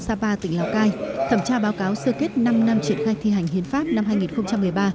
tỉnh hải dương thành lập thị xã sapa tỉnh lào cai thẩm tra báo cáo sơ kết năm năm triển khai thi hành hiến pháp năm hai nghìn một mươi ba